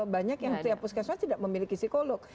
banyak yang setiap puskesmas tidak memiliki psikolog